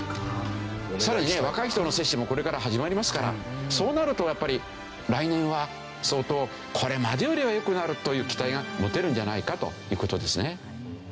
さらにね若い人の接種もこれから始まりますからそうなるとやっぱり来年は相当これまでよりは良くなるという期待が持てるんじゃないかという事ですね。